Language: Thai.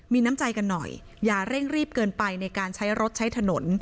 มีน้ำใจกันหน่อยอย่าเร่งรีบเกินไปในการใช้รถใช้ถนน